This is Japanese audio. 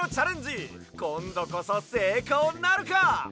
こんどこそせいこうなるか？